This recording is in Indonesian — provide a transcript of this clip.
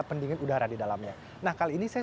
pendingin udara di dalamnya nah kali ini saya